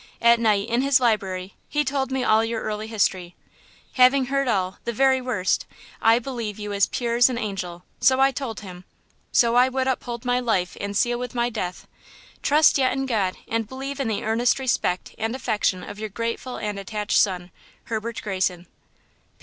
At night, in his library, he told me all your early history. Having heard all, the very worst, I believe you as pure as an angel. So I told him! So I would uphold with my life and seal with my death! Trust yet in God, and believe in the earnest respect and affection of your grateful and attached son, "HERBERT GREYSON.